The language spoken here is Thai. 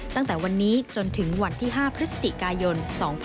ตั้งแต่วันนี้จนถึงวันที่๕พฤศจิกายน๒๕๖๒